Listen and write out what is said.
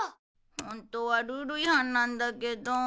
本当はルール違反なんだけど。